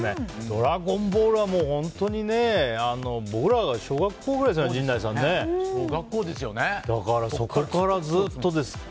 「ドラゴンボール」は本当に僕らが小学校ぐらいですよねだから、そこからずっとですよ。